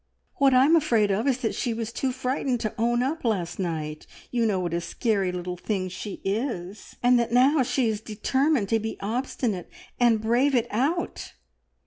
What I'm afraid of is that she was too frightened to own up last night you know what a scarey little thing she is and that now she is determined to be obstinate and brave it out!"